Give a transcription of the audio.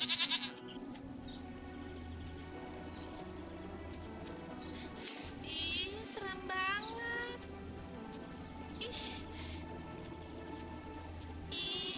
ih serem banget